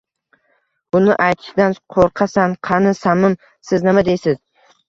Buni aytishidan qoʻrqasan. Qani, Samin, siz nima deysiz?